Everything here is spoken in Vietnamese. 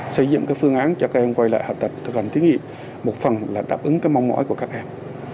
xây dựng cái phương án cho các em quay lại học tập thực hành thiến nghiệm một phần là đáp ứng cái mong mỏi của các em